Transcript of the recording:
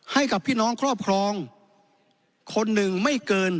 ให้กับพี่น้องครอบครองคนหนึ่งไม่เกิน